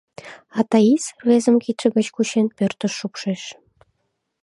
А Таис, рвезым кидше гыч кучен, пӧртыш шупшеш.